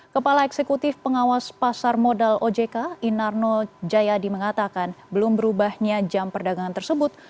kepala eksekutif pengawas pasar modal ojk inarno jayadi mengatakan belum berubahnya jam perdagangan tersebut